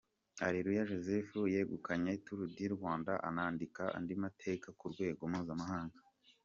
Areruya Joseph yegukanye Tour du Rwanda, anandika andi mateka ku rwego mpuzamahanga.